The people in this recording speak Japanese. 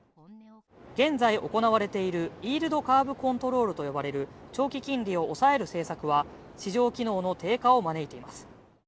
現在行われているイールドカーブコントロールと呼ばれる長期金利を抑える政策は、市場機能の低下を招いています。